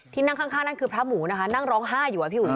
นั่งข้างนั่นคือพระหมูนะคะนั่งร้องไห้อยู่อะพี่อุ๋